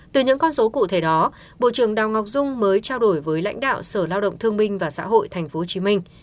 từ những con số cụ thể đó bộ trưởng đào ngọc dung mới trao đổi với lãnh đạo sở lao động thương minh và xã hội tp hcm